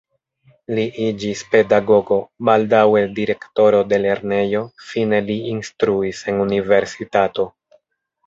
Li iĝis pedagogo, baldaŭe direktoro de lernejo, fine li instruis en universitato.